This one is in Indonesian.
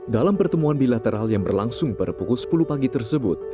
dalam pertemuan bilateral yang berlangsung pada pukul sepuluh pagi tersebut